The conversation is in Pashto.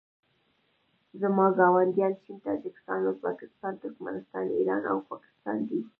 زما ګاونډیان چین تاجکستان ازبکستان ترکنستان ایران او پاکستان دي